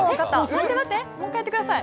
待って待って、もう１回やってください。